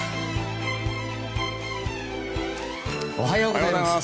おはようございます。